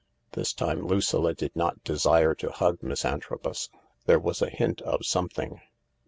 This time Lucilla did not desire to hug Miss Antrobus. There was a hint of something.